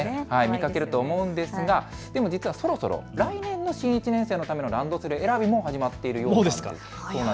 見かけると思うんですがそろそろ来年の新１年生のためのランドセル選びも始まっているようです。